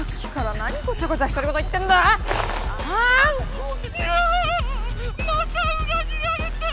またうら切られた！